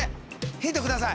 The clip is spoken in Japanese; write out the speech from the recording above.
ヒントください！